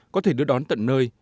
có thể được đón tận nơi